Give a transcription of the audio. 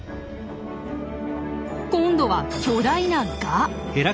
今度は巨大な蛾。